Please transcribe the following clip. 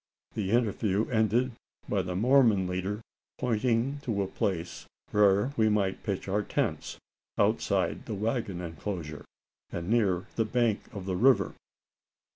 The interview ended by the Mormon leader pointing to a place where we might pitch our tents outside the waggon enclosure, and near the bank of the river.